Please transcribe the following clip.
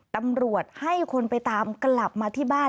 ตำรวจให้คนไปตามกลับมาที่บ้าน